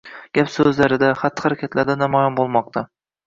Gap-soʻzlarida, xatti-harakatida namoyon boʻlmoqda